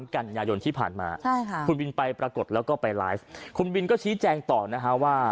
กันยายนที่ผ่านมาใช่ค่ะคุณบินไปปรากฏแล้วก็ไปไลฟ์คุณบินก็ชี้แจงต่อนะฮะว่า